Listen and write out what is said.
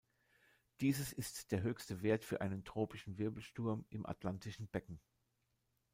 Dieses ist der höchste Wert für einen tropischen Wirbelsturm im atlantischen Becken.